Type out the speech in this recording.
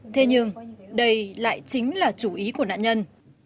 thế nhưng đây lại chính là chủ ý của nạn nhân